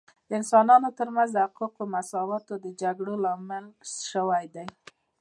د انسانانو ترمنځ د حقوقو مساوات د جګړو لامل سوی دی